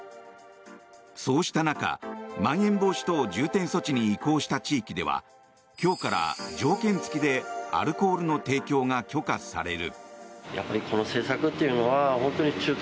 そうした中まん延防止等重点措置に移行した地域では今日から条件付きでアルコールの提供が許可される。